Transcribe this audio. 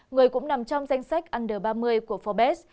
người cũng nằm trong danh sách ăn ba mươi của forbes